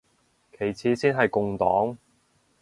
其次先係共黨